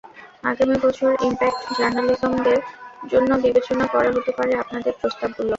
আগামী বছর impact journalism ডের জন্য বিবেচনা করা হতে পারে আপনাদের প্রস্তাবগুলো।